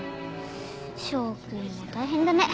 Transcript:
翔君も大変だね。